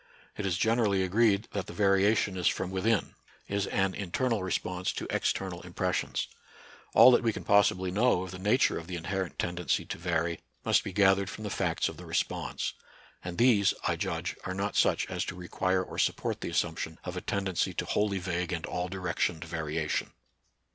It is generally agreed that the variation is from within, is an internal response to external impressions. All that we can possibly know of the nature of the inherent tendency to vary must be gathered from the facts of the response. And these, I judge, are not such as to require or support the assumption of a tendency to wholly vague and all directioned variation.